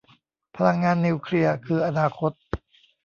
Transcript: พลังงานนิวเคลียร์คืออนาคต